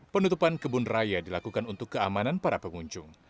penutupan kebun raya dilakukan untuk keamanan para pengunjung